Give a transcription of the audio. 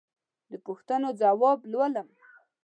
د پوښتنو ځواب لولم.